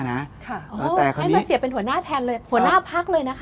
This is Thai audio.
ให้มาเสียเป็นหัวหน้าแทนเลยหัวหน้าพักเลยนะคะ